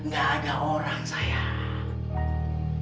gak ada orang sayang